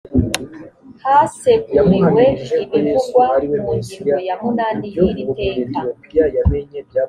haseguriwe ibivugwa mu ngingo ya munani y’ iri teka